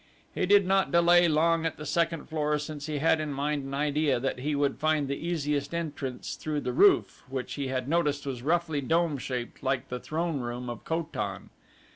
He did not delay long at the second floor since he had in mind an idea that he would find the easiest entrance through the roof which he had noticed was roughly dome shaped like the throneroom of Ko tan.